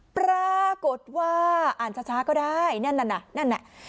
ปรากฏว่าอ่านช้าก็ได้นั่นนั่นน่ะนั่นน่ะ